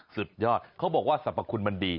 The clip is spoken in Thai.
สุดยอดเขาบอกว่าสรรพคุณมันดี